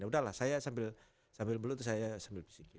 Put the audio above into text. udah lah saya sambil belut saya sambil bisik